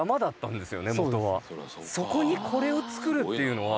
そこにこれを造るっていうのは。